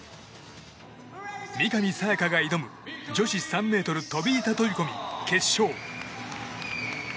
三上紗也可が挑む女子３ｍ飛板飛込決勝。